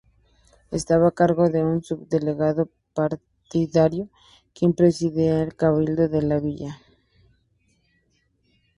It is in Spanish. Estaba a cargo de un subdelegado partidario, quien presidía el Cabildo de la villa.